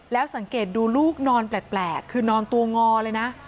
แล้วสังเกตดูลูกนอนแปลกคือนอนตัวงอเลยนะ